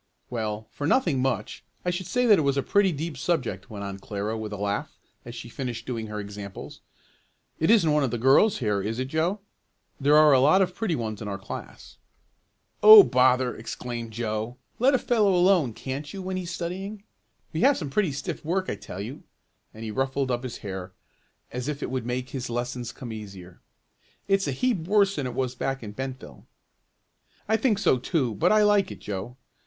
"Well, for 'nothing much' I should say that it was a pretty deep subject," went on Clara with a laugh, as she finished doing her examples. "It isn't one of the girls here, is it Joe? There are a lot of pretty ones in our class." "Oh bother!" exclaimed Joe. "Let a fellow alone, can't you, when he's studying? We have some pretty stiff work I tell you!" and he ruffled up his hair, as if that would make his lessons come easier. "It's a heap worse than it was back in Bentville." "I think so too, but I like it, Joe.